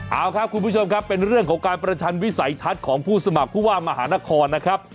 เอาครับคุณผู้ชมครับเป็นเรื่องของการประชันวิสัยทัศน์ของผู้สมัครผู้ว่ามหานครนะครับ